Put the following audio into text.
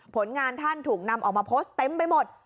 ผลงานท่านถูกนำออกมาโพสต์เต็มไปหมด